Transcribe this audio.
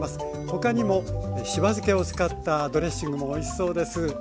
他にもしば漬けを使ったドレッシングもおいしそうです。